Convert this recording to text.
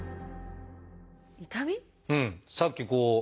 さっきこう。